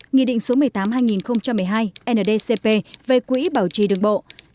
nghị định số một mươi tám hai nghìn một mươi hai ndcp về quỹ bảo trì đường bộ